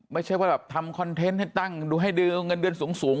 ไม่ใช่ว่าแบบทำคอนเทนต์ให้ตั้งดูให้ดีเอาเงินเดือนสูง